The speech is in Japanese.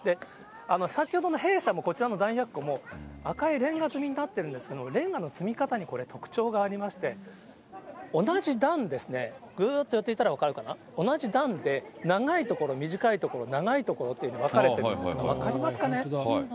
先ほどの兵舎もこちらの弾薬庫も、赤いレンガ積みになってるんですけれども、レンガの積み方にこれ、特徴がありまして、同じ段ですね、ぐーっと寄っていったら分かるかな、同じ段で長い所、短いところ、長いところって分かれてまして、分かりますかね。